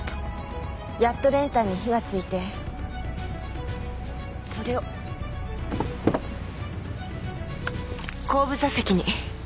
やっと練炭に火がついてそれを後部座席に。